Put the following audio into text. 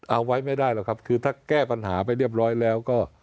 เอาไว้ไม่ได้หรอกครับคือถ้าแก้ปัญหาไปเรียบร้อยแล้วก็